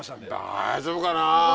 大丈夫かな。